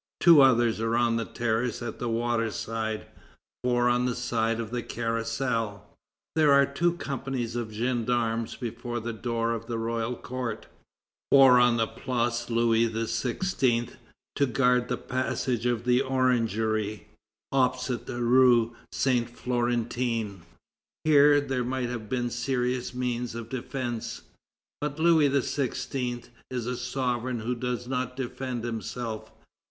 Two others are on the terrace at the water side, four on the side of the Carrousel. There are two companies of gendarmes before the door of the Royal Court; four on the Place Louis XVI., to guard the passage of the Orangery, opposite rue Saint Florentin. Here, there might have been serious means of defence. But Louis XVI. is a sovereign who does not defend himself.